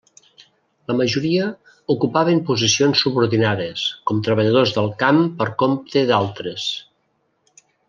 La majoria ocupaven posicions subordinades, com treballadors del camp per compte d'altres.